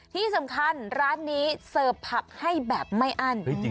ที่สำคัญร้านนี้เสิร์ฟผักให้แบบไม่อั้น